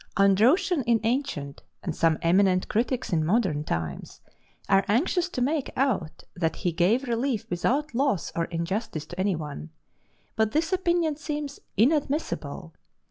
Androtion in ancient, and some eminent critics in modern times are anxious to make out that he gave relief without loss or injustice to any one. But this opinion seems inadmissible.